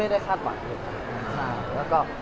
ไม่ได้คาดหวังเลยครับ